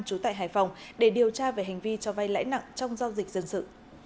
trú tại hải phòng để điều tra về hành vi cho vay lãi nặng trong giao dịch dân sự